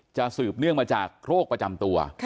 สืบเนื่องมาจากโรคประจำตัว